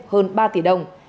hơn ba tỷ đồng